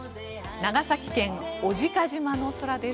長崎県・小値賀島の空です。